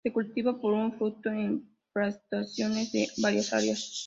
Se cultiva por su fruto en plantaciones en varias áreas.